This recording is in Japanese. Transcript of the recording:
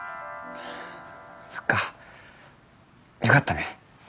そっかよかったね。